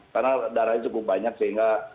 karena darahnya cukup banyak sehingga